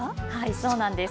そうなんです。